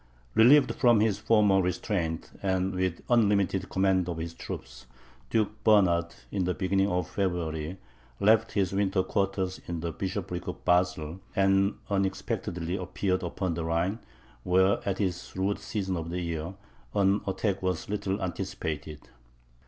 Relieved from his former restraint, and with unlimited command of his troops, Duke Bernard, in the beginning of February, left his winter quarters in the bishopric of Basle, and unexpectedly appeared upon the Rhine, where, at this rude season of the year, an attack was little anticipated.